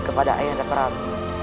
kepada ayah dan perang